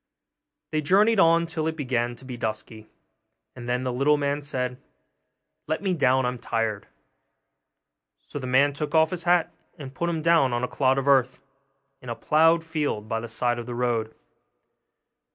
They journeyed on till it began to be dusky, and then the little man said, 'Let me get down, I'm tired.' So the man took off his hat, and put him down on a clod of earth, in a ploughed field by the side of the road.